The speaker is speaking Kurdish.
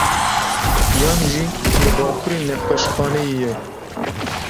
Yan jî li bakurê nexweşxaneyê ye.